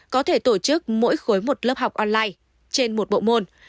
có thể tổ chức mỗi khối một lớp học online trên một bộ môn